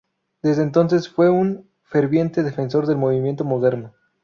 Desde entonces fue un ferviente defensor del Movimiento moderno.